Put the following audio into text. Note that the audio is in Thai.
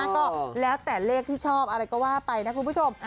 ก็แล้วแต่เลขที่ชอบอะไรก็ว่าไปนะคุณผู้ชม